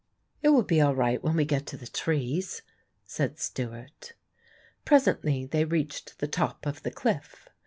"It will be all right when we get to the trees," said Stewart. Presently they reached the top of the cliff.